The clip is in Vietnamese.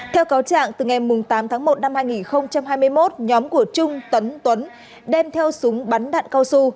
theo cáo trạng từ ngày tám tháng một năm hai nghìn hai mươi một nhóm của trung tấn tuấn đem theo súng bắn đạn cao su